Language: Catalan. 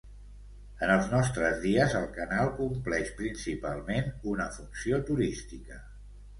En els nostres dies el canal compleix principalment una funció turística.